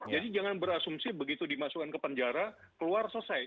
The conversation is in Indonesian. jadi jangan berasumsi begitu dimasukkan ke penjara keluar selesai